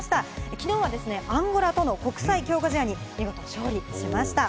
きのうはですね、アンゴラとの国際強化試合に見事勝利しました。